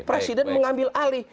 jadi dia ngambil alih